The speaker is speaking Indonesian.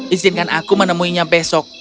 izinkan aku menemuinya besok